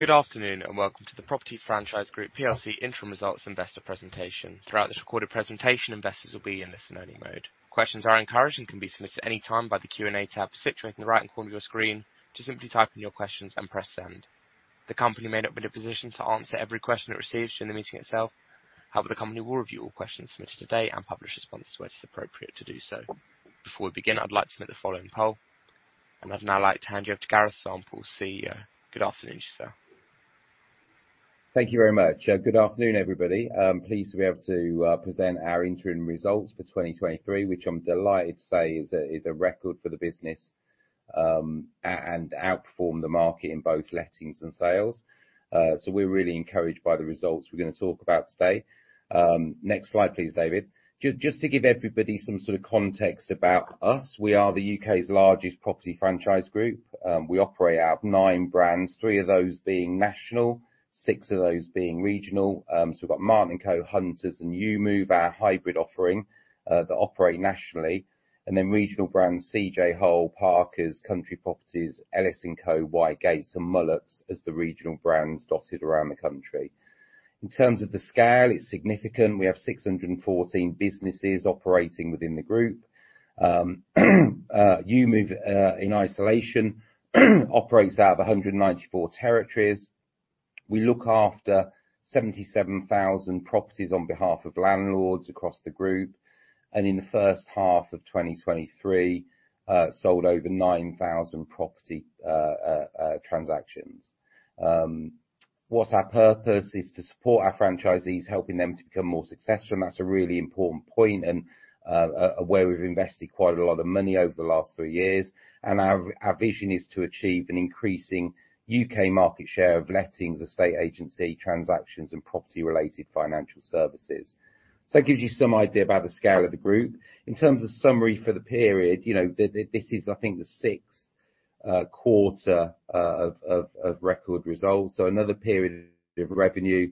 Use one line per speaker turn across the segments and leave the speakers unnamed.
Good afternoon, and welcome to the Property Franchise Group PLC Interim Results Investor Presentation. Throughout this recorded presentation, investors will be in listen-only mode. Questions are encouraged and can be submitted at any time by the Q&A tab situated in the right-hand corner of your screen. Just simply type in your questions and press Send. The company may not be in a position to answer every question it receives during the meeting itself. However, the company will review all questions submitted today and publish responses where it is appropriate to do so. Before we begin, I'd like to submit the following poll. I'd now like to hand you over to Gareth Samples, CEO. Good afternoon, sir.
Thank you very much. Good afternoon, everybody. I'm pleased to be able to present our interim results for 2023, which I'm delighted to say is a record for the business, and outperformed the market in both lettings and sales. So we're really encouraged by the results we're gonna talk about today. Next slide, please, David. Just to give everybody some sort of context about us, we are the UK's largest property franchise group. We operate out of 9 brands, 3 of those being national, 6 of those being regional. So we've got Martin & Co, Hunters and EweMove, our hybrid offering, that operate nationally, and then regional brands, CJ Hole, Parkers, Country Properties, Ellis & Co, Whitegates and Mullucks as the regional brands dotted around the country. In terms of the scale, it's significant. We have 614 businesses operating within the group. EweMove, in isolation, operates out of 194 territories. We look after 77,000 properties on behalf of landlords across the group, and in the first half of 2023, sold over 9,000 property transactions. What's our purpose? Is to support our franchisees, helping them to become more successful, and that's a really important point and where we've invested quite a lot of money over the last three years. Our vision is to achieve an increasing UK market share of lettings, estate agency, transactions, and property-related financial services. That gives you some idea about the scale of the group. In terms of summary for the period, you know, this is, I think, the sixth quarter of record results. So another period of revenue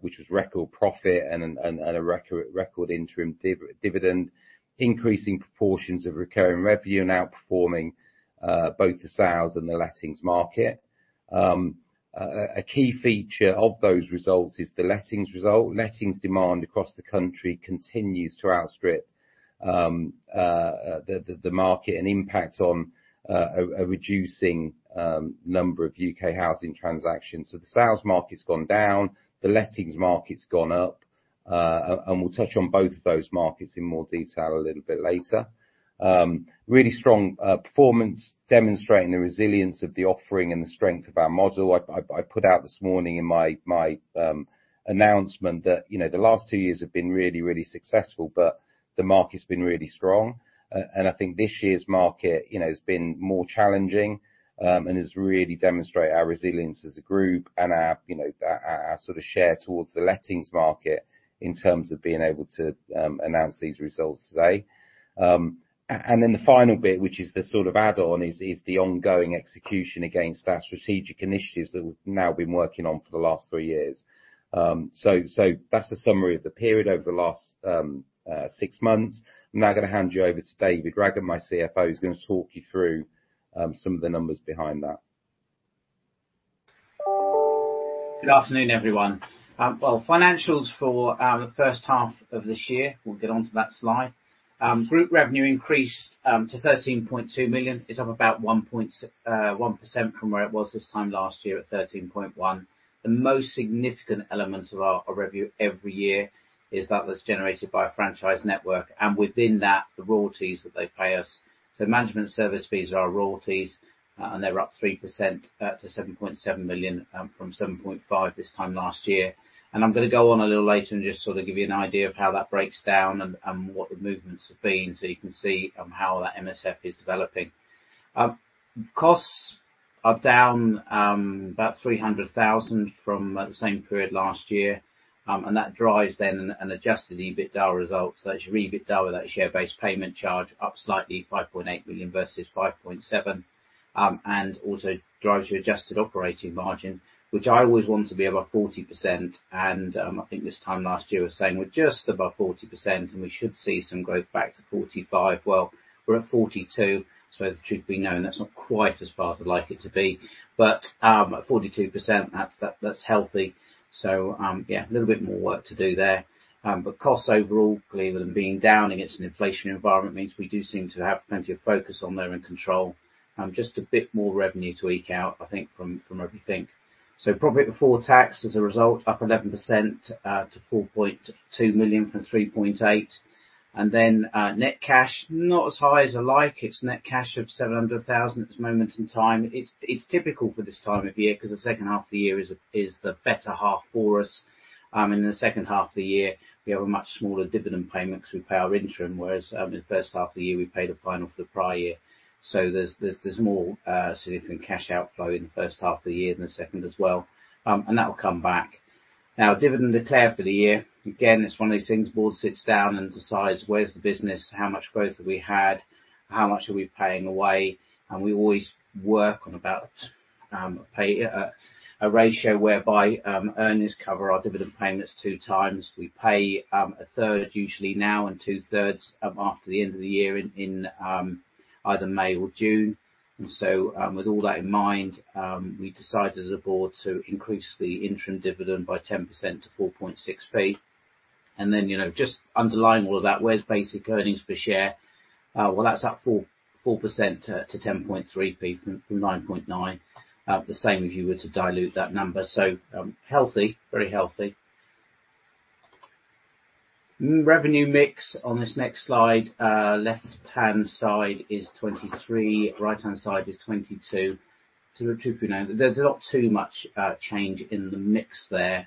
which was record profit and a record interim dividend, increasing proportions of recurring revenue and outperforming both the sales and the lettings market. A key feature of those results is the lettings result. Lettings demand across the country continues to outstrip the market and impact on a reducing number of UK housing transactions. So the sales market's gone down, the lettings market's gone up, and we'll touch on both of those markets in more detail a little bit later. Really strong performance, demonstrating the resilience of the offering and the strength of our model. I put out this morning in my announcement that, you know, the last two years have been really, really successful, but the market's been really strong. And I think this year's market, you know, has been more challenging, and has really demonstrated our resilience as a group and our you know our sort of share towards the lettings market in terms of being able to announce these results today. And then the final bit, which is the sort of add-on, is the ongoing execution against our strategic initiatives that we've now been working on for the last three years. So that's a summary of the period over the last six months. I'm now gonna hand you over to David Raggett, my CFO, who's going to talk you through some of the numbers behind that.
Good afternoon, everyone. Well, financials for the first half of this year, we'll get onto that slide. Group revenue increased to 13.2 million. It's up about 1.1% from where it was this time last year at 13.1 million. The most significant element of our revenue every year is that was generated by a franchise network, and within that, the royalties that they pay us. So management service fees are our royalties, and they're up 3% to 7.7 million from 7.5 million this time last year. And I'm gonna go on a little later and just sort of give you an idea of how that breaks down and what the movements have been, so you can see how that MSF is developing. Costs are down about 300,000 from the same period last year. And that drives then an adjusted EBITDA result, so that's your EBITDA, with that share-based payment charge up slightly, 5.8 million versus 5.7 million. And also drives your adjusted operating margin, which I always want to be above 40%, and I think this time last year, I was saying we're just above 40%, and we should see some growth back to 45%. Well, we're at 42, so it should be known that's not quite as far as I'd like it to be, but at 42%, that's healthy. So, yeah, a little bit more work to do there. But costs overall, glad they're being down against an inflation environment, means we do seem to have plenty of focus on them and control. Just a bit more revenue to eke out, I think, from everything. So profit before tax as a result, up 11% to 4.2 million from 3.8. And then, net cash, not as high as I like. It's net cash of 700,000 at this moment in time. It's typical for this time of year 'cause the second half of the year is the better half for us. In the second half of the year, we have a much smaller dividend payment because we pay our interim, whereas, in the first half of the year, we pay the final for the prior year. So there's more significant cash outflow in the first half of the year than the second as well. And that will come back. Now, dividend declared for the year, again, it's one of these things, board sits down and decides where's the business, how much growth have we had, how much are we paying away? And we always work on about a ratio whereby earnings cover our dividend payments two times. We pay a third, usually now, and two thirds after the end of the year in either May or June. And so, with all that in mind, we decided as a board to increase the interim dividend by 10% to 4.6p. And then, you know, just underlying all of that, where's basic earnings per share? Well, that's up 4% to 10.3p from 9.9. The same if you were to dilute that number. So, healthy, very healthy. Revenue mix on this next slide, left-hand side is 2023, right-hand side is 2022. There's not too much change in the mix there,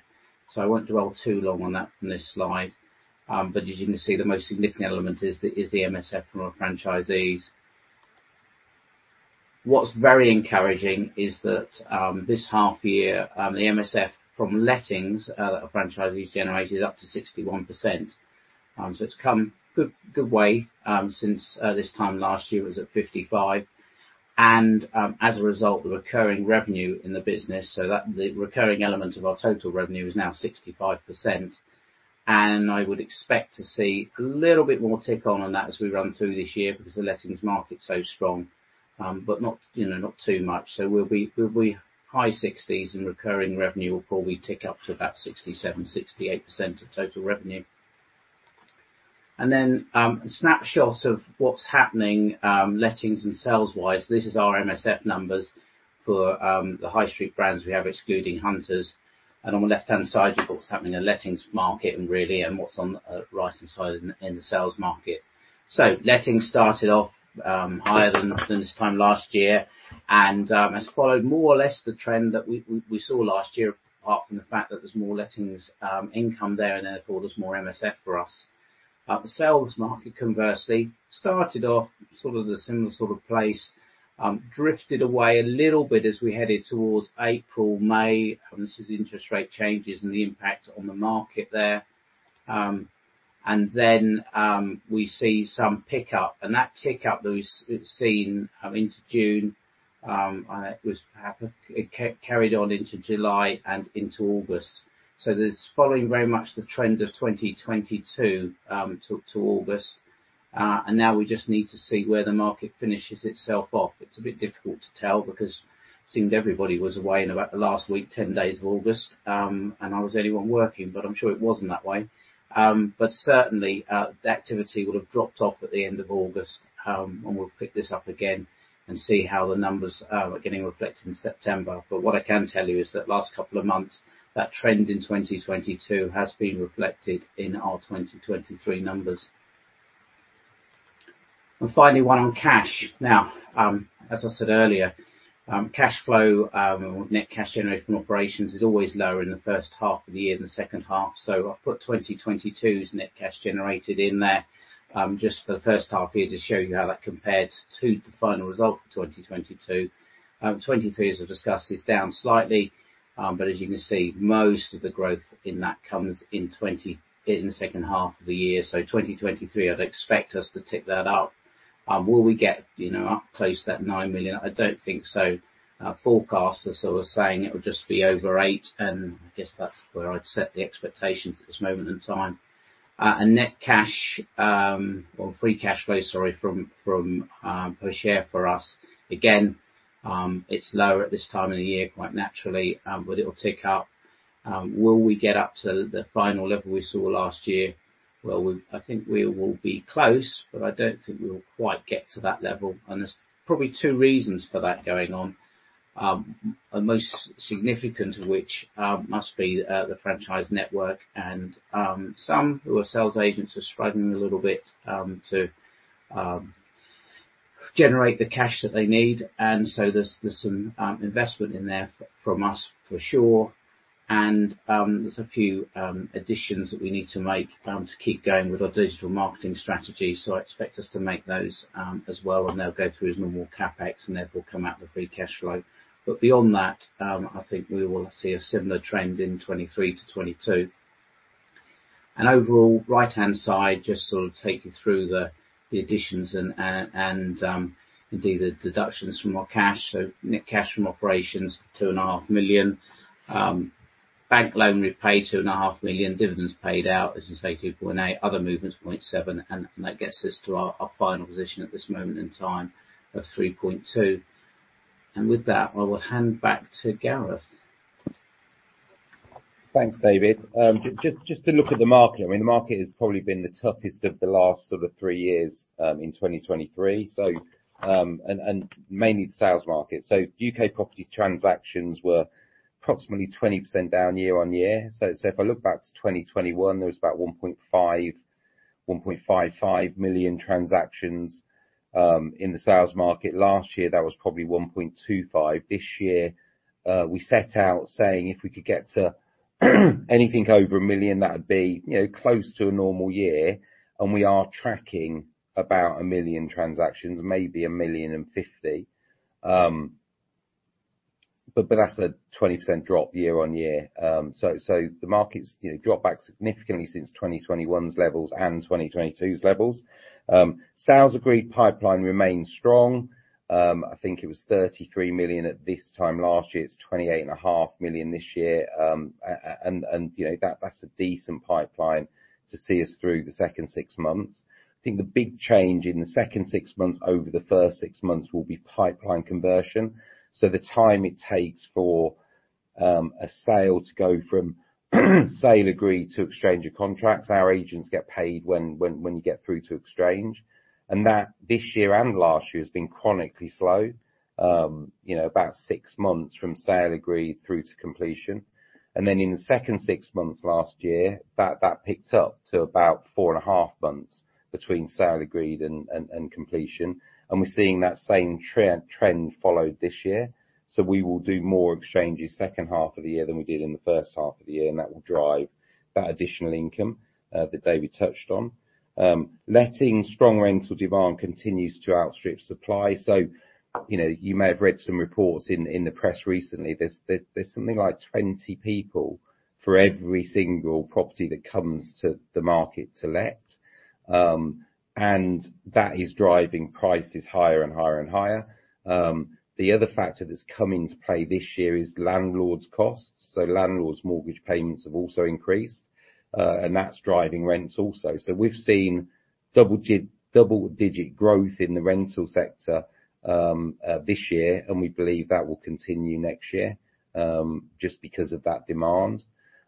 so I won't dwell too long on that from this slide. But as you can see, the most significant element is the MSF from our franchisees. What's very encouraging is that this half year, the MSF from lettings that our franchisees generated up to 61%. So it's come a good way since this time last year, it was at 55%. As a result, the recurring revenue in the business, so that the recurring element of our total revenue is now 65%, and I would expect to see a little bit more tick on, on that as we run through this year because the lettings market is so strong, but not, you know, not too much. So we'll be, we'll be high sixties in recurring revenue, or probably tick up to about 67%-68% of total revenue. And then, a snapshot of what's happening, lettings and sales-wise. This is our MSF numbers for the high street brands we have, excluding Hunters. And on the left-hand side, you've got what's happening in the lettings market and really, and what's on the right-hand side in, in the sales market. So lettings started off higher than this time last year, and has followed more or less the trend that we saw last year, apart from the fact that there's more lettings income there, and therefore, there's more MSF for us. The sales market, conversely, started off sort of in a similar sort of place, drifted away a little bit as we headed towards April, May, this is interest rate changes and the impact on the market there. And then, we see some pickup, and that tick up that we've seen into June, it was perhaps. It carried on into July and into August. So it's following very much the trend of 2022 to August. And now we just need to see where the market finishes itself off. It's a bit difficult to tell because it seemed everybody was away in about the last week, 10 days of August, and I was the only one working, but I'm sure it wasn't that way. But certainly, the activity would have dropped off at the end of August, and we'll pick this up again and see how the numbers are getting reflected in September. But what I can tell you is that last couple of months, that trend in 2022 has been reflected in our 2023 numbers. And finally, one on cash. Now, as I said earlier, cash flow, net cash generated from operations is always lower in the first half of the year than the second half, so I've put 2022's net cash generated in there, just for the first half year, to show you how that compared to the final result for 2022. 2023, as I've discussed, is down slightly, but as you can see, most of the growth in that comes in the second half of the year. So 2023, I'd expect us to tick that up. Will we get, you know, up close to that 9 million? I don't think so. Our forecast is sort of saying it will just be over 8 million, and I guess that's where I'd set the expectations at this moment in time. And net cash, or free cash flow, sorry, from per share for us, again, it's lower at this time of the year, quite naturally, but it'll tick up. Will we get up to the final level we saw last year? Well, I think we will be close, but I don't think we'll quite get to that level, and there's probably two reasons for that going on. The most significant of which must be the franchise network and some who are sales agents are struggling a little bit to generate the cash that they need, and so there's some investment in there from us for sure. There's a few additions that we need to make to keep going with our digital marketing strategy, so I expect us to make those as well, and they'll go through as normal CapEx, and therefore, come out with free cash flow. But beyond that, I think we will see a similar trend in 2023 to 2022. Overall, right-hand side, just sort of take you through the additions and indeed the deductions from our cash. So net cash from operations, 2.5 million. Bank loan repaid, 2.5 million. Dividends paid out, as you say, 2.8 million. Other movements, 0.7 million, and that gets us to our final position at this moment in time of 3.2 million. And with that, I will hand back to Gareth.
Thanks, David. Just to look at the market, I mean, the market has probably been the toughest of the last sort of three years in 2023. So mainly the sales market. So UK property transactions were approximately 20% down year on year. So if I look back to 2021, there was about 1.55 million transactions in the sales market. Last year, that was probably 1.25. This year, we set out saying if we could get to anything over 1 million, that would be, you know, close to a normal year, and we are tracking about 1 million transactions, maybe 1 million and 50. But that's a 20% drop year on year. So, the market's, you know, dropped back significantly since 2021's levels and 2022's levels. Sales agreed pipeline remains strong. I think it was 33 million at this time last year, it's 28.5 million this year. And, you know, that's a decent pipeline to see us through the second six months. I think the big change in the second six months over the first six months will be pipeline conversion. So the time it takes for a sale to go from sale agreed to exchange of contracts, our agents get paid when you get through to exchange. And that this year and last year has been chronically slow. You know, about six months from sale agreed through to completion. And then in the second six months last year, that picked up to about 4.5 months between sale agreed and completion. And we're seeing that same trend followed this year. So we will do more exchanges second half of the year than we did in the first half of the year, and that will drive that additional income that David touched on. Letting strong rental demand continues to outstrip supply. So, you know, you may have read some reports in the press recently. There's something like 20 people for every single property that comes to the market to let. And that is driving prices higher and higher and higher. The other factor that's come into play this year is landlords' costs. So landlords' mortgage payments have also increased, and that's driving rents also. So we've seen double digit growth in the rental sector this year, and we believe that will continue next year, just because of that demand.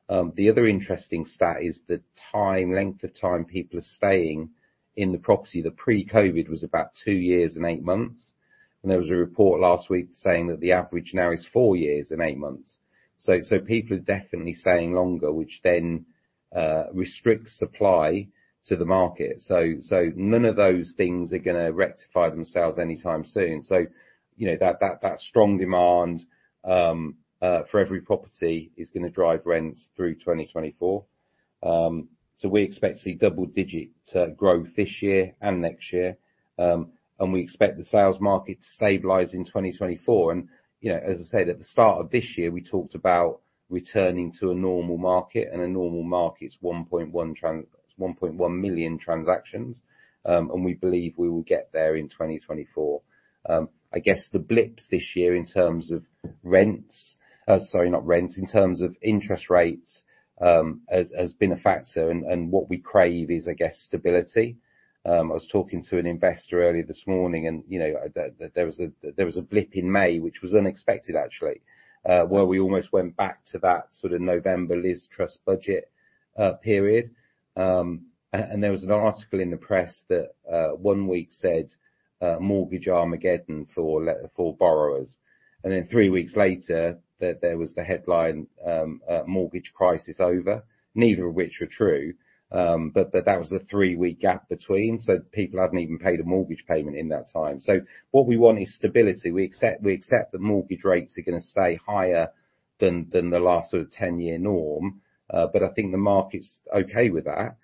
The other interesting stat is the time, length of time people are staying in the property. The pre-COVID was about 2 years and 8 months, and there was a report last week saying that the average now is 4 years and 8 months. So people are definitely staying longer, which then restricts supply to the market. So none of those things are gonna rectify themselves anytime soon. So, you know, that strong demand for every property is gonna drive rents through 2024. So we expect to see double digit growth this year and next year. And we expect the sales market to stabilize in 2024. You know, as I said, at the start of this year, we talked about returning to a normal market, and a normal market is 1.1 million transactions, and we believe we will get there in 2024. I guess the blips this year in terms of rents, sorry, not rents, in terms of interest rates, has been a factor, and what we crave is, I guess, stability. I was talking to an investor earlier this morning, and you know, there was a blip in May, which was unexpected, actually, where we almost went back to that sort of November Liz Truss budget period. And there was an article in the press that one week said, "Mortgage Armageddon for for borrowers." And then three weeks later, there was the headline, "Mortgage Crisis Over," neither of which were true, but that was a three-week gap between, so people hadn't even paid a mortgage payment in that time. So what we want is stability. We accept that mortgage rates are gonna stay higher than the last sort of 10-year norm, but I think the market's okay with that.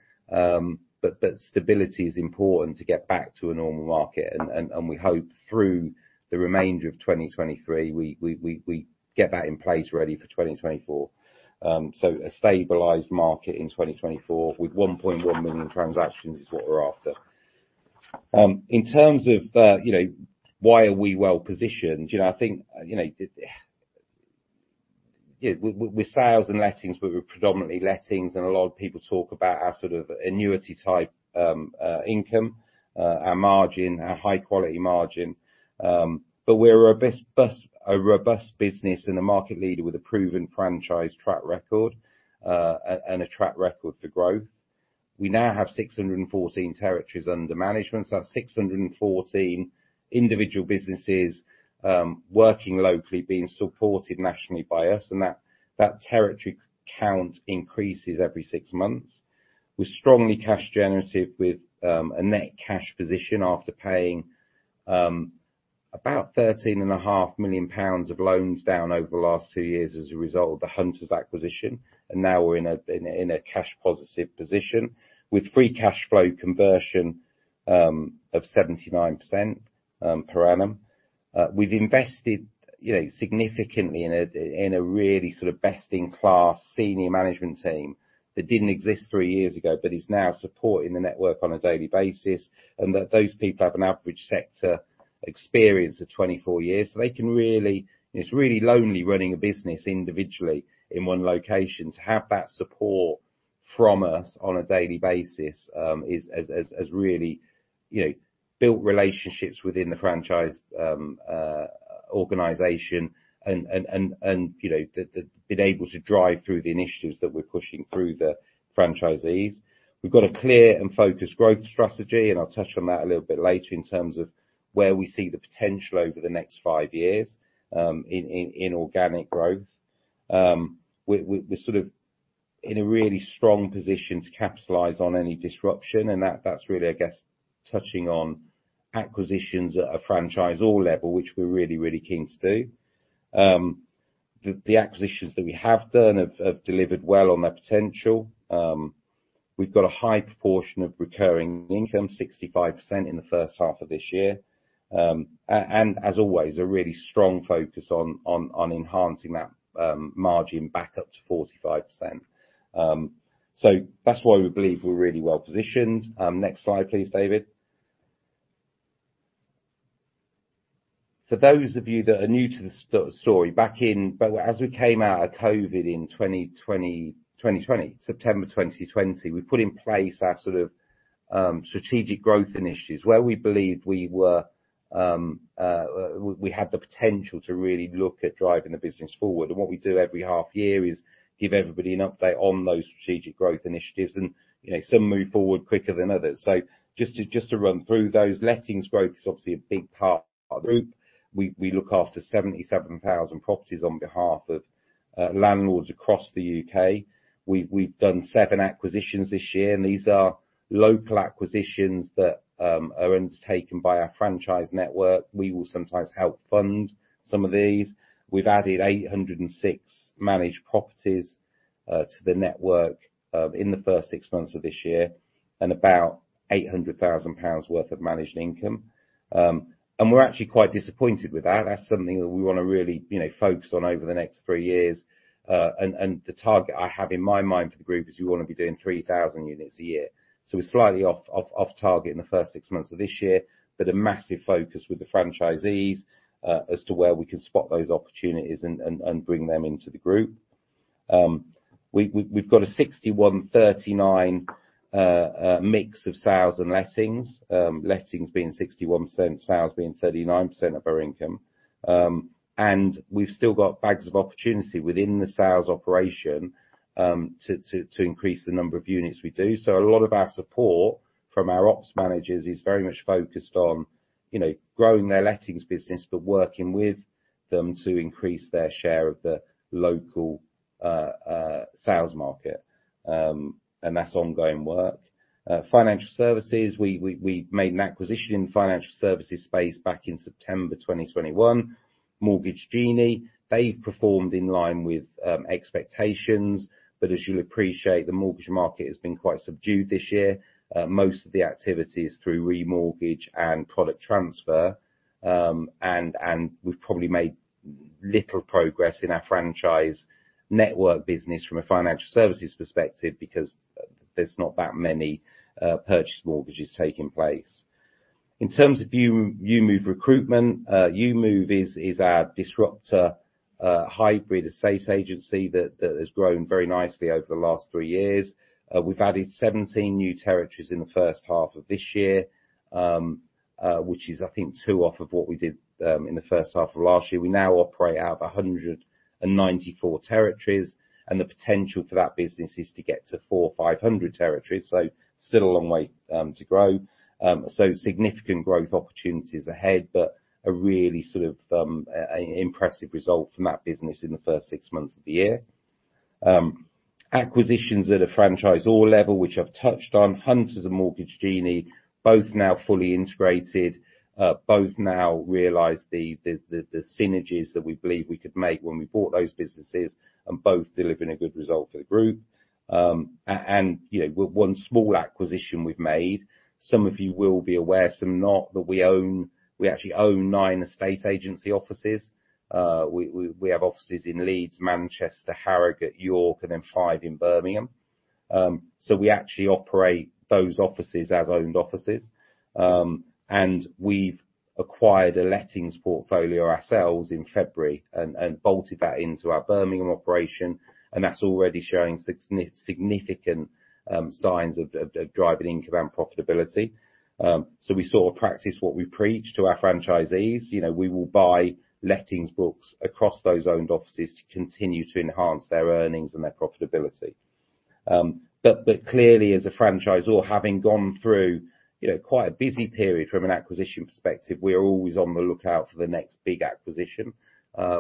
But stability is important to get back to a normal market, and we hope through the remainder of 2023, we get that in place ready for 2024. So a stabilized market in 2024 with 1.1 million transactions is what we're after. In terms of, you know, why are we well-positioned? You know, I think, yeah, with sales and lettings, we were predominantly lettings, and a lot of people talk about our sort of annuity type, income, our margin, our high-quality margin. But we're a robust business and a market leader with a proven franchise track record, and a track record for growth. We now have 614 territories under management, so that's 614 individual businesses, working locally, being supported nationally by us, and that territory count increases every six months. We're strongly cash generative with, a net cash position after paying, about 13.5 million pounds of loans down over the last two years as a result of the Hunters acquisition. And now we're in a cash-positive position, with free cash flow conversion of 79%, per annum. We've invested, you know, significantly in a really sort of best-in-class senior management team that didn't exist three years ago, but is now supporting the network on a daily basis, and that those people have an average sector experience of 24 years, so they can really. It's really lonely running a business individually in one location. To have that support from us on a daily basis has really, you know, built relationships within the franchise organization and, you know, been able to drive through the initiatives that we're pushing through the franchisees. We've got a clear and focused growth strategy, and I'll touch on that a little bit later in terms of where we see the potential over the next five years, in organic growth. We're sort of in a really strong position to capitalize on any disruption, and that's really, I guess, touching on acquisitions at a franchise or level, which we're really, really keen to do. The acquisitions that we have done have delivered well on their potential. We've got a high proportion of recurring income, 65% in the first half of this year. And as always, a really strong focus on enhancing that, margin back up to 45%. So that's why we believe we're really well positioned. Next slide, please, David. For those of you that are new to the story, but as we came out of COVID in 2020, September 2020, we put in place our sort of strategic growth initiatives, where we believed we were, we had the potential to really look at driving the business forward. And what we do every half year is give everybody an update on those strategic growth initiatives, and, you know, some move forward quicker than others. So just to run through those, lettings growth is obviously a big part of the group. We look after 77,000 properties on behalf of landlords across the UK. We've done 7 acquisitions this year, and these are local acquisitions that are undertaken by our franchise network. We will sometimes help fund some of these. We've added 806 managed properties to the network in the first 6 months of this year, and about 800,000 pounds worth of managed income. And we're actually quite disappointed with that. That's something that we wanna really, you know, focus on over the next 3 years. And the target I have in my mind for the group is we wanna be doing 3,000 units a year. So we're slightly off target in the first 6 months of this year, but a massive focus with the franchisees as to where we can spot those opportunities and bring them into the group. We've got a 61/39 mix of sales and lettings. Lettings being 61%, sales being 39% of our income. And we've still got bags of opportunity within the sales operation, to increase the number of units we do. So a lot of our support from our ops managers is very much focused on, you know, growing their lettings business, but working with them to increase their share of the local sales market. And that's ongoing work. Financial services, we made an acquisition in the financial services space back in September 2021. Mortgage Genie, they've performed in line with expectations, but as you'll appreciate, the mortgage market has been quite subdued this year. Most of the activity is through remortgage and product transfer. And we've probably made little progress in our franchise network business from a financial services perspective because there's not that many purchase mortgages taking place. In terms of EweMove recruitment, EweMove is our disruptor, hybrid estate agency that has grown very nicely over the last three years. We've added 17 new territories in the first half of this year, which is, I think, two off of what we did in the first half of last year. We now operate out of 194 territories, and the potential for that business is to get to 400 or 500 territories, so still a long way to grow. So significant growth opportunities ahead, but a really sort of impressive result from that business in the first six months of the year. Acquisitions at a franchisor level, which I've touched on, Hunters and Mortgage Genie, both now fully integrated, both now realize the synergies that we believe we could make when we bought those businesses and both delivering a good result for the group. And, you know, one small acquisition we've made, some of you will be aware, some not, that we own, we actually own nine estate agency offices. We have offices in Leeds, Manchester, Harrogate, York, and then five in Birmingham. So we actually operate those offices as owned offices. And we've acquired a lettings portfolio ourselves in February and bolted that into our Birmingham operation, and that's already showing significant signs of driving income and profitability. So we sort of practice what we preach to our franchisees. You know, we will buy lettings books across those owned offices to continue to enhance their earnings and their profitability. But clearly, as a franchisor, having gone through, you know, quite a busy period from an acquisition perspective, we are always on the lookout for the next big acquisition.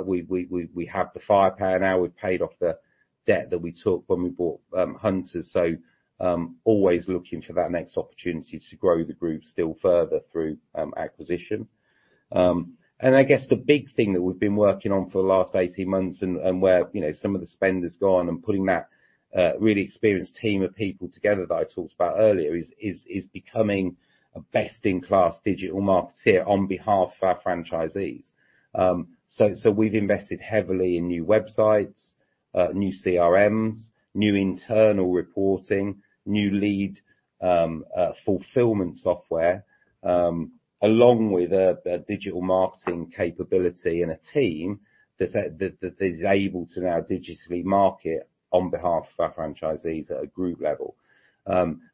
We have the firepower now. We've paid off the debt that we took when we bought Hunters, so always looking for that next opportunity to grow the group still further through acquisition. And I guess the big thing that we've been working on for the last 18 months and where, you know, some of the spend has gone and pulling that really experienced team of people together that I talked about earlier is becoming a best-in-class digital marketer on behalf of our franchisees. So, so we've invested heavily in new websites, new CRMs, new internal reporting, new lead fulfillment software, along with a digital marketing capability and a team that is able to now digitally market on behalf of our franchisees at a group level.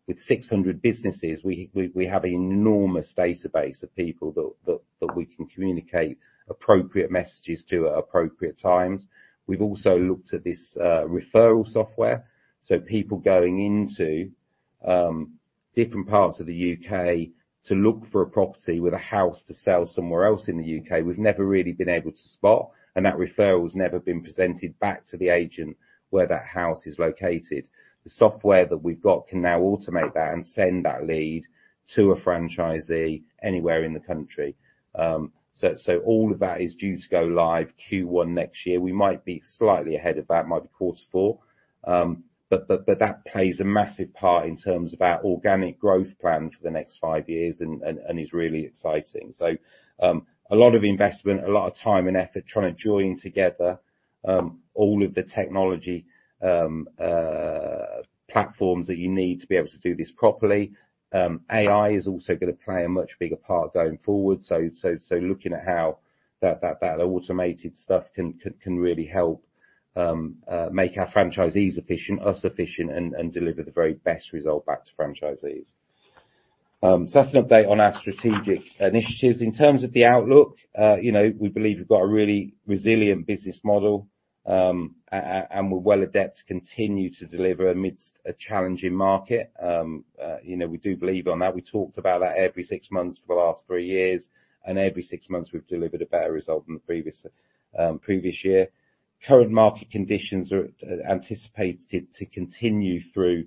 With 600 businesses, we have an enormous database of people that we can communicate appropriate messages to at appropriate times. We've also looked at this referral software, so people going into different parts of the UK to look for a property with a house to sell somewhere else in the UK, we've never really been able to spot, and that referral has never been presented back to the agent where that house is located. The software that we've got can now automate that and send that lead to a franchisee anywhere in the country. So all of that is due to go live Q1 next year. We might be slightly ahead of that, quarter four. But that plays a massive part in terms of our organic growth plan for the next five years and is really exciting. So a lot of investment, a lot of time and effort trying to join together all of the technology platforms that you need to be able to do this properly. AI is also going to play a much bigger part going forward. So looking at how that automated stuff can really help make our franchisees efficient, us efficient, and deliver the very best result back to franchisees. So that's an update on our strategic initiatives. In terms of the outlook, you know, we believe we've got a really resilient business model, and we're well adept to continue to deliver amidst a challenging market. You know, we do believe on that. We talked about that every six months for the last three years, and every six months, we've delivered a better result than the previous year. Current market conditions are anticipated to continue through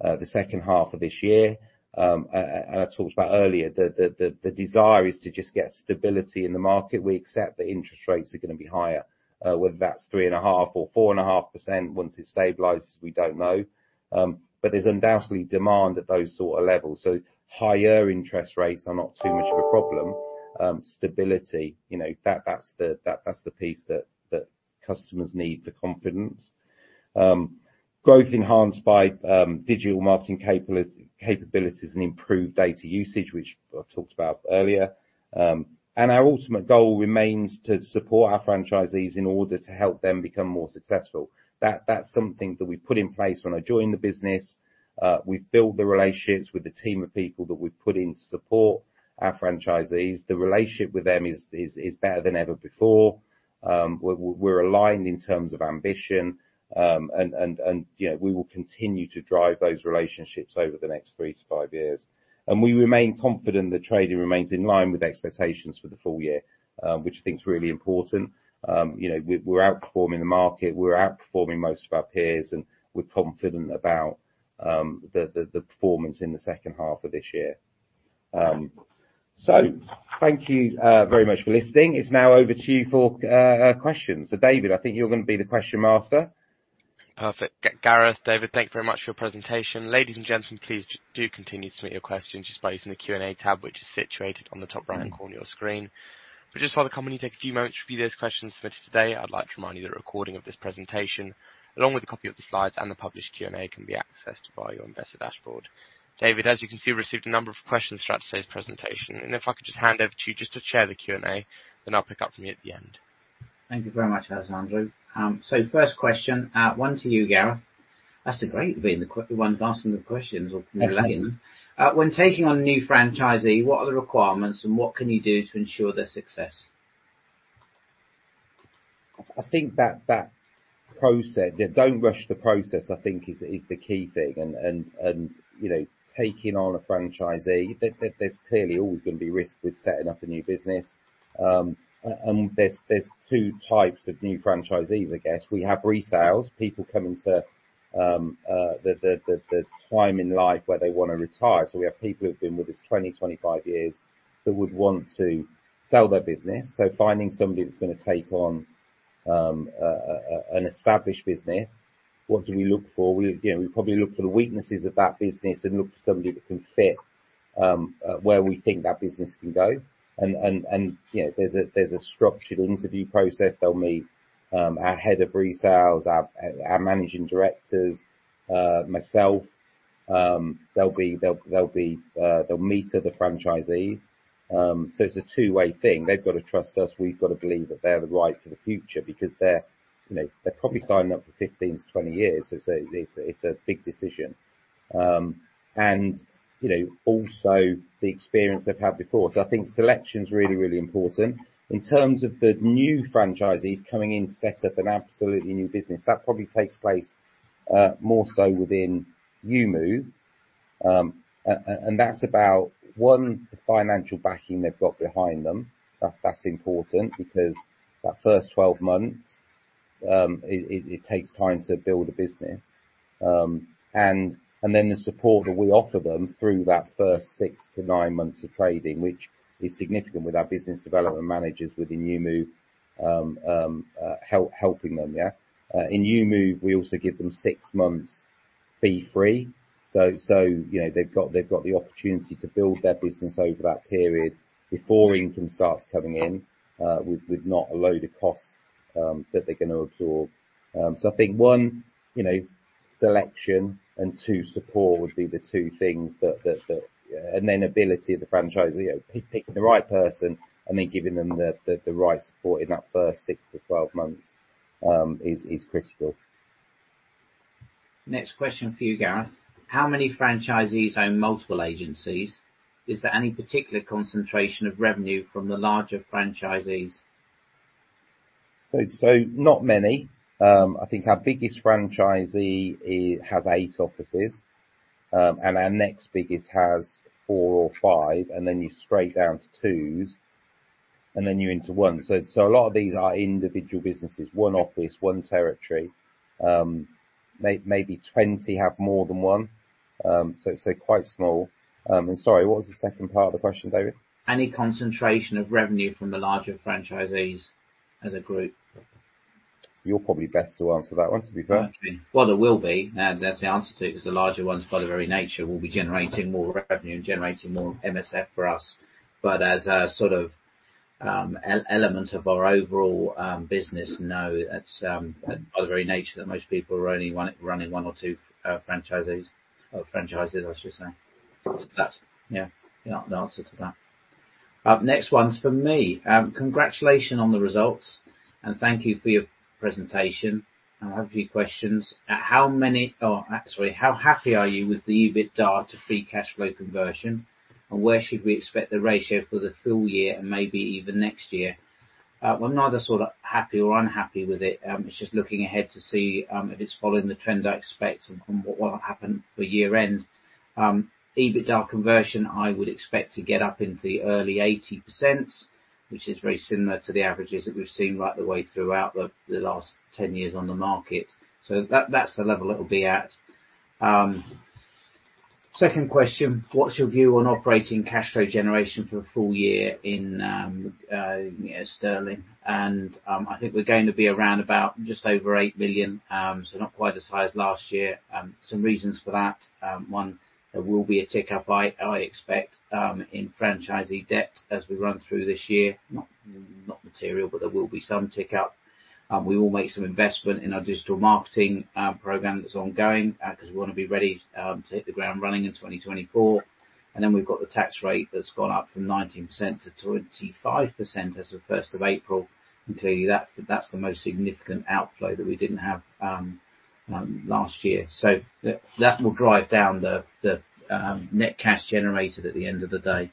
the second half of this year. And I talked about earlier, the desire is to just get stability in the market. We accept that interest rates are going to be higher, whether that's 3.5% or 4.5%, once it stabilizes, we don't know. But there's undoubtedly demand at those sort of levels. So higher interest rates are not too much of a problem. Stability, you know, that's the piece that customers need, the confidence. Growth enhanced by digital marketing capabilities and improved data usage, which I talked about earlier. And our ultimate goal remains to support our franchisees in order to help them become more successful. That's something that we put in place when I joined the business. We've built the relationships with the team of people that we've put in to support our franchisees. The relationship with them is better than ever before. We're aligned in terms of ambition. And you know, we will continue to drive those relationships over the next three to five years. We remain confident that trading remains in line with expectations for the full year, which I think is really important. You know, we're outperforming the market, we're outperforming most of our peers, and we're confident about the performance in the second half of this year. So thank you very much for listening. It's now over to you for questions. So, David, I think you're going to be the question master.
Perfect. Gareth, David, thank you very much for your presentation. Ladies and gentlemen, please do continue to submit your questions just by using the Q&A tab, which is situated on the top right-hand corner of your screen. But just while the company take a few moments to review those questions submitted today, I'd like to remind you that a recording of this presentation, along with a copy of the slides and the published Q&A, can be accessed via your investor dashboard. David, as you can see, we've received a number of questions throughout today's presentation, and if I could just hand over to you just to chair the Q&A, then I'll pick up from you at the end.
Thank you very much, Alessandro. So, first question, one to you, Gareth. That's great being the one asking the questions or leading.
Thank you.
When taking on a new franchisee, what are the requirements and what can you do to ensure their success?
I think that process... Don't rush the process, I think is the key thing. You know, taking on a franchisee, there's clearly always going to be risk with setting up a new business. And there's two types of new franchisees, I guess. We have resales, people coming to the time in life where they want to retire. So we have people who've been with us 20, 25 years, who would want to sell their business. So finding somebody that's going to take on an established business, what do we look for? You know, we probably look for the weaknesses of that business and look for somebody that can fit where we think that business can go. You know, there's a structured interview process. They'll meet our head of resales, our managing directors, myself. They'll meet other franchisees. So it's a two-way thing. They've got to trust us, we've got to believe that they're the right for the future, because they're, you know, they're probably signing up for 15-20 years. So it's a big decision. And, you know, also the experience they've had before. So I think selection's really, really important. In terms of the new franchisees coming in to set up an absolutely new business, that probably takes place more so within EweMove. And that's about the financial backing they've got behind them. That's important because that first 12 months, it takes time to build a business. And then the support that we offer them through that first six to nine months of trading, which is significant with our business development managers within EweMove, helping them, yeah. In EweMove, we also give them six months fee-free, so, you know, they've got the opportunity to build their business over that period before income starts coming in, with not a load of costs that they're going to absorb. So I think, one, you know, selection, and two, support, would be the two things that... And then ability of the franchisee, you know, picking the right person and then giving them the right support in that first six to 12 months, is critical.
Next question for you, Gareth: How many franchisees own multiple agencies? Is there any particular concentration of revenue from the larger franchisees?
So not many. I think our biggest franchisee, it has 8 offices, and our next biggest has 4 or 5, and then you're straight down to 2s, and then you're into 1. So a lot of these are individual businesses, 1 office, 1 territory. Maybe 20 have more than 1. So quite small. And sorry, what was the second part of the question, David?
Any concentration of revenue from the larger franchisees as a group?
You're probably best to answer that one, to be fair.
Well, there will be, and that's the answer to it, because the larger ones, by their very nature, will be generating more revenue and generating more MSF for us. But as a sort of element of our overall business? No, it's by the very nature that most people are only running one or two franchises, I should say. That's, yeah, yeah, the answer to that. Next one's from me: Congratulations on the results, and thank you for your presentation. I have a few questions. Actually, how happy are you with the EBITDA to free cash flow conversion, and where should we expect the ratio for the full year and maybe even next year? Well, I'm neither sort of happy or unhappy with it. It's just looking ahead to see if it's following the trend I expect and from what will happen for year-end. EBITDA conversion, I would expect to get up into the early 80%, which is very similar to the averages that we've seen right the way throughout the, the last 10 years on the market. So that, that's the level it'll be at. Second question: What's your view on operating cash flow generation for the full year in, yeah, sterling? I think we're going to be around about just over 8 million, so not quite as high as last year. Some reasons for that, one, there will be a tick up, I expect, in franchisee debt as we run through this year. Not, not material, but there will be some tick up. We will make some investment in our digital marketing program that's ongoing, 'cause we wanna be ready to hit the ground running in 2024. And then we've got the tax rate that's gone up from 19% to 25% as of first of April. And clearly, that's the most significant outflow that we didn't have last year. So that will drive down the net cash generated at the end of the day.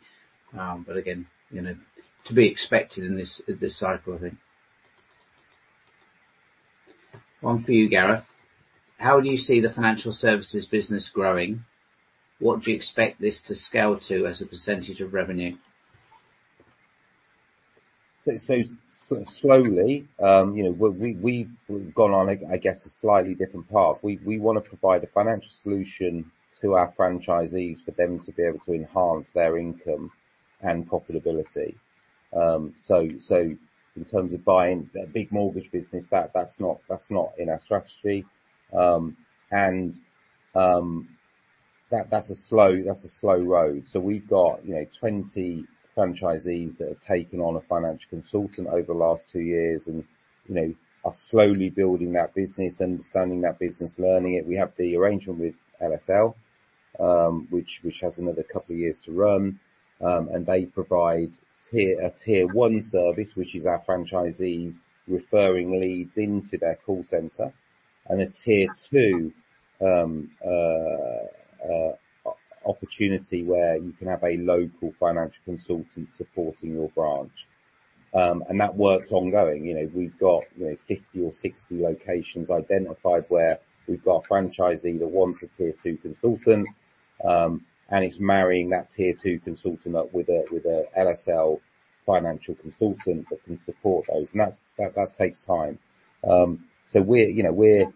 But again, you know, to be expected in this cycle, I think. One for you, Gareth: How do you see the financial services business growing? What do you expect this to scale to as a percentage of revenue?
Slowly, you know, we've gone on a, I guess, a slightly different path. We wanna provide a financial solution to our franchisees, for them to be able to enhance their income and profitability. In terms of buying a big mortgage business, that's not in our strategy. That's a slow road. So we've got, you know, 20 franchisees that have taken on a financial consultant over the last two years and, you know, are slowly building that business, understanding that business, learning it. We have the arrangement with LSL, which has another couple of years to run, and they provide tier... a Tier One service, which is our franchisees referring leads into their call center, and a Tier Two opportunity where you can have a local financial consultant supporting your branch. And that work's ongoing. You know, we've got, you know, 50 or 60 locations identified where we've got a franchisee that wants a Tier Two consultant, and it's marrying that Tier Two consultant up with a LSL financial consultant that can support those, and that takes time. So.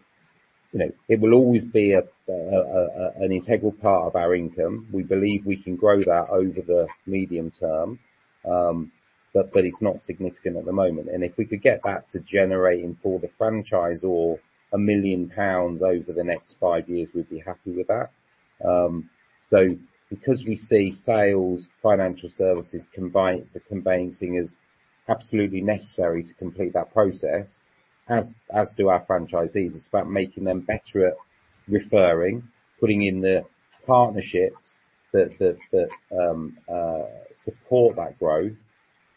You know, it will always be an integral part of our income. We believe we can grow that over the medium term, but it's not significant at the moment. And if we could get that to generating for the franchisor, 1 million pounds over the next five years, we'd be happy with that. So because we see sales, financial services, combined, the conveyancing is absolutely necessary to complete that process, as do our franchisees. It's about making them better at referring, putting in the partnerships that support that growth,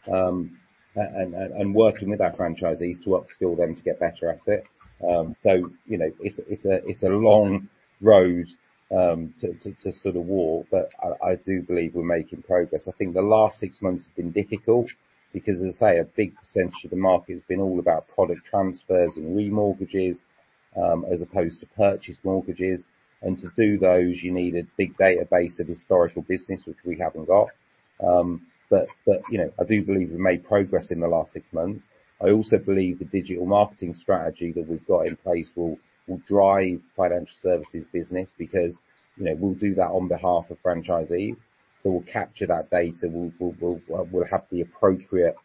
and working with our franchisees to upskill them to get better at it. So, you know, it's a long road to sort of walk, but I do believe we're making progress. I think the last six months have been difficult because, as I say, a big percentage of the market has been all about product transfers and remortgages, as opposed to purchase mortgages. And to do those, you need a big database of historical business, which we haven't got. But, you know, I do believe we've made progress in the last six months. I also believe the digital marketing strategy that we've got in place will drive financial services business because, you know, we'll do that on behalf of franchisees. So we'll capture that data, we'll have the appropriate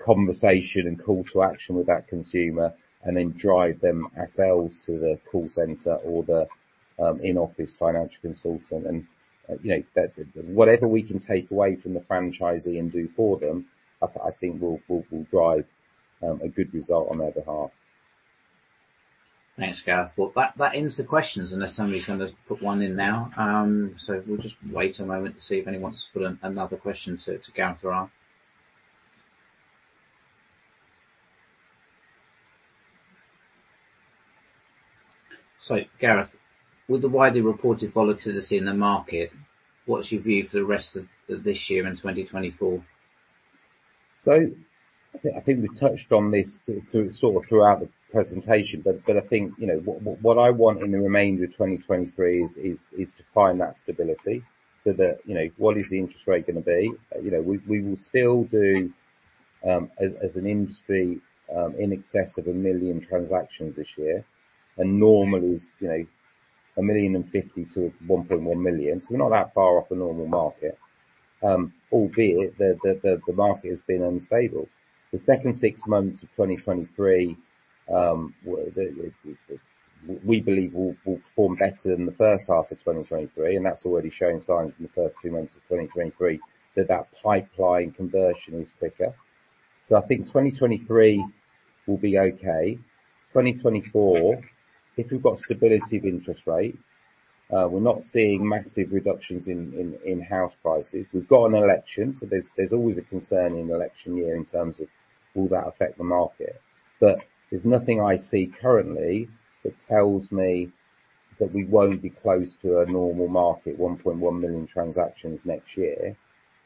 conversation and call to action with that consumer and then drive them ourselves to the call center or the in-office financial consultant. And, you know, that whatever we can take away from the franchisee and do for them, I think will drive a good result on their behalf.
Thanks, Gareth. Well, that ends the questions, unless somebody's gonna put one in now. So we'll just wait a moment to see if anyone wants to put another question to Gareth or I. So Gareth, with the widely reported volatility in the market, what's your view for the rest of this year and 2024?
So I think, I think we touched on this through sort of throughout the presentation, but, but I think, you know, what, what I want in the remainder of 2023 is, is, is to find that stability so that, you know, what is the interest rate gonna be? You know, we, we will still do, as, as an industry, in excess of 1 million transactions this year, and normal is, you know, 1 million and 50 to 1.1 million, so we're not that far off the normal market. Albeit, the market has been unstable. The second six months of 2023, we believe will perform better than the first half of 2023, and that's already showing signs in the first two months of 2023, that that pipeline conversion is quicker. So I think 2023 will be okay. 2024, if we've got stability of interest rates, we're not seeing massive reductions in house prices. We've got an election, so there's always a concern in an election year in terms of will that affect the market? But there's nothing I see currently that tells me that we won't be close to a normal market, 1.1 million transactions next year,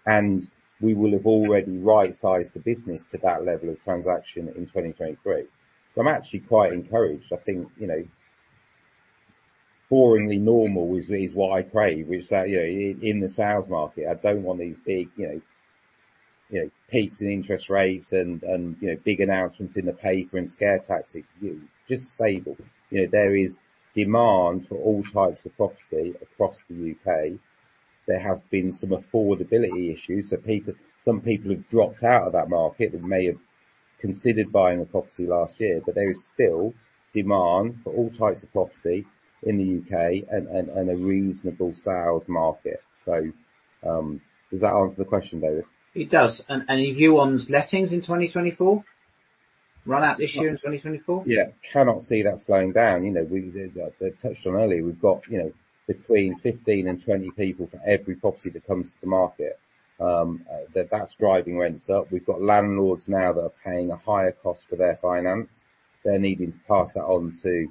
and we will have already right-sized the business to that level of transaction in 2023. So I'm actually quite encouraged. I think, you know, boringly normal is what I crave, which, you know, in the sales market, I don't want these big, you know, peaks in interest rates and big announcements in the paper and scare tactics. You just stable. You know, there is demand for all types of property across the UK. There has been some affordability issues, so people, some people have dropped out of that market and may have considered buying a property last year, but there is still demand for all types of property in the UK and a reasonable sales market. So, does that answer the question, David?
It does. And your view on lettings in 2024, run out this year in 2024?
Yeah. Cannot see that slowing down. You know, we did, I touched on earlier, we've got, you know, between 15 and 20 people for every property that comes to the market, that, that's driving rents up. We've got landlords now that are paying a higher cost for their finance. They're needing to pass that on to,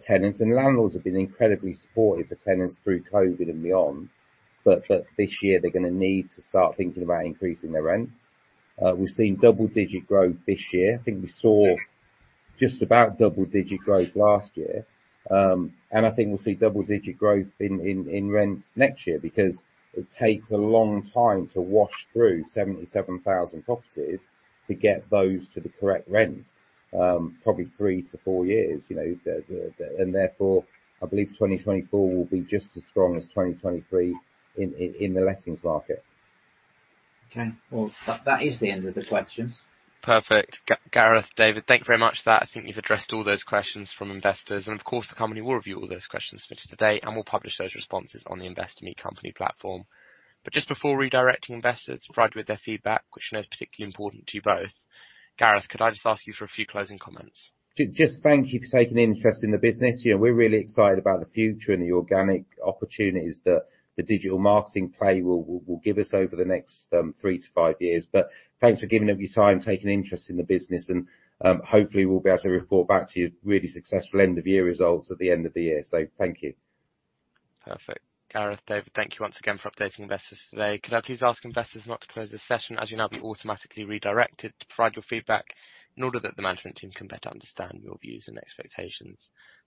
tenants, and landlords have been incredibly supportive to tenants through COVID and beyond, but this year they're gonna need to start thinking about increasing their rents. We've seen double-digit growth this year. I think we saw just about double-digit growth last year. And I think we'll see double-digit growth in rents next year, because it takes a long time to wash through 77,000 properties to get those to the correct rent, probably 3-4 years, you know. Therefore, I believe 2024 will be just as strong as 2023 in the lettings market.
Okay, well, that is the end of the questions.
Perfect. Gareth, David, thank you very much for that. I think you've addressed all those questions from investors, and of course, the company will review all those questions submitted today, and we'll publish those responses on the Investor Meet Company platform. But just before redirecting investors provide with their feedback, which I know is particularly important to you both, Gareth, could I just ask you for a few closing comments?
Just thank you for taking an interest in the business. You know, we're really excited about the future and the organic opportunities that the digital marketing play will give us over the next 3-5 years. But thanks for giving up your time, taking an interest in the business, and hopefully, we'll be able to report back to you really successful end of year results at the end of the year. So thank you.
Perfect. Gareth, David, thank you once again for updating investors today. Could I please ask investors not to close this session, as you'll now be automatically redirected to provide your feedback in order that the management team can better understand your views and expectations.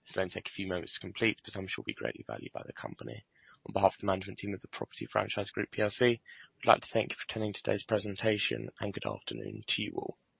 This will only take a few moments to complete, but I'm sure will be greatly valued by the company. On behalf of the management team of The Property Franchise Group PLC, we'd like to thank you for attending today's presentation, and good afternoon to you all.